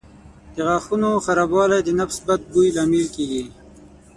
د غاښونو خرابوالی د نفس بد بوی لامل کېږي.